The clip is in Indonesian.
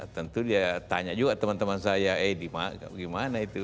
tentu dia tanya juga teman teman saya eh di gimana itu